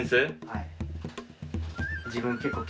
はい。